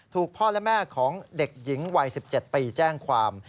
ถูกพ่อและแม่ของเด็กหญิงวัย๑๗ปีแจ้งความ